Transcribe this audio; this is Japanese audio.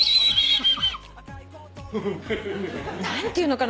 何ていうのかな